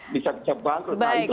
bisa dicap bangkrut